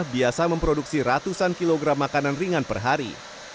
biasa memproduksi ratusan kilogram makanan ringan per hari